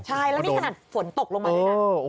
ใช่แล้วนี่ขนาดฝนตกลงมาด้วยนะ